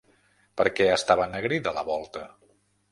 Per què estava ennegrida la volta?